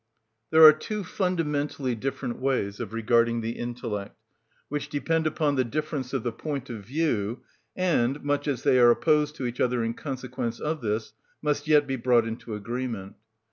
There are two fundamentally different ways of regarding the intellect, which depend upon the difference of the point of view, and, much as they are opposed to each other in consequence of this, must yet be brought into agreement.